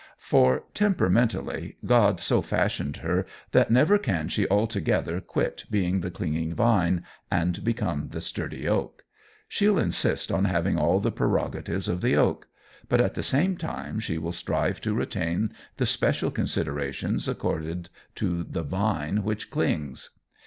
For, temperamentally, God so fashioned her that never can she altogether quit being the clinging vine and become the sturdy oak. She'll insist on having all the prerogatives of the oak, but at the same time she will strive to retain the special considerations accorded to the vine which clings.